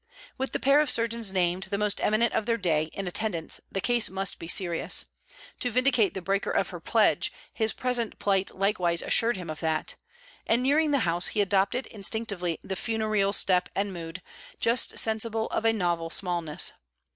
With the pair of surgeons named, the most eminent of their day, in attendance, the case must be serious. To vindicate the breaker of her pledge, his present plight likewise assured him of that, and nearing the house he adopted instinctively the funeral step and mood, just sensible of a novel smallness.